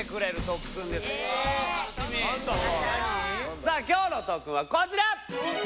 さあ今日の特訓はこちら！